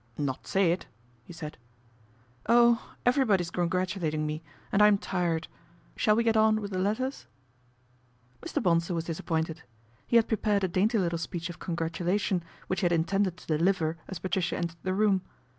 " Not say it ?" he said. " Oh ! everybody's congratulating me, and I'm tired. Shall we get on with the letters ?" Mr. Bonsor was disappointed. He had pre pared a dainty little speech of congratulation, which he had intended to deliver as Patricia entered the room.